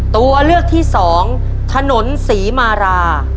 ตัวเลือกที่สองถนนศรีมารา